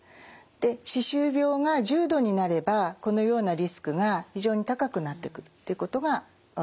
歯周病が重度になればこのようなリスクが非常に高くなってくるっていうことが分かっています。